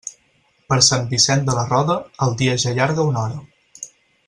Per Sant Vicent de la Roda, el dia ja allarga una hora.